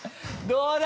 どうだ？